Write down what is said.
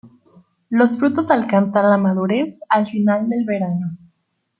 Los frutos alcanzan la madurez al final del verano.